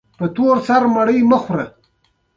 بریتانوۍ نجلۍ دي درته رالېږم، ګرانه د خدای په امان.